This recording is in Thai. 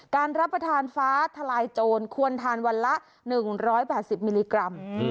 รับประทานฟ้าทลายโจรควรทานวันละ๑๘๐มิลลิกรัม